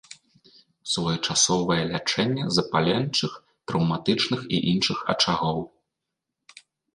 Своечасовае лячэнне запаленчых, траўматычных і іншых ачагоў.